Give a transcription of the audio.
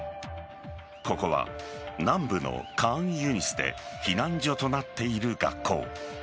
ここは、南部のカーンユニスで避難所となっている学校。